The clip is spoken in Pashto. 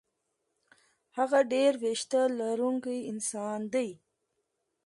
هغه ډېر وېښته لرونکی انسان دی.